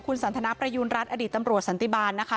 คุณสันทนาประยูณรัฐอดีตตำรวจสันติบาลนะคะ